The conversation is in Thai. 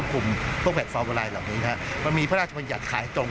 ถูกต้องครับผู้ครอบครอง